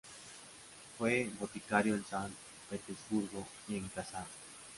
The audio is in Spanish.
Fue boticario en San Petersburgo y en Kazán.